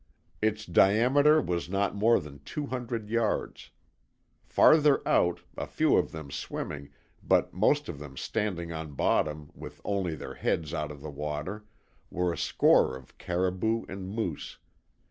Its diameter was not more than two hundred yards. Farther out a few of them swimming, but most of them standing on bottom with only their heads out of water were a score of caribou and moose.